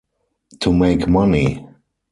To make money.